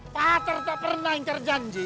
patah tak pernah yang terjanji